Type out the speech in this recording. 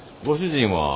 ご主人は？